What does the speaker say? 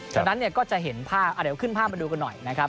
จากนั้นเนี่ยก็จะเห็นภาพเดี๋ยวขึ้นภาพมาดูกันหน่อยนะครับ